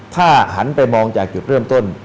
ถ้าหันไปมองจากจุดเริ่มต้น